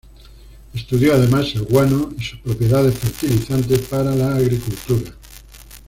Estudió además el guano y sus propiedades fertilizantes para la agricultura.